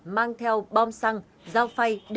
mang theo bong xăng giao phay đến nhà đồng